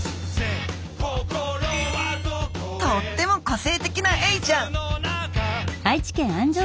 とっても個性的なエイちゃん！